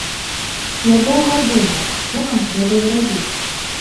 Я доўга думаў, што нам трэба зрабіць.